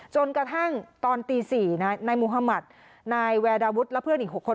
จนกระทั่งตอนตีสี่นะนายมุธมัตินายแวร์ดาวุธแล้วเพื่อนอีกหกคน